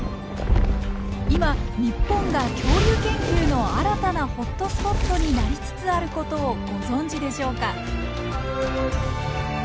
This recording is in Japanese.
今日本が恐竜研究の新たなホットスポットになりつつあることをご存じでしょうか。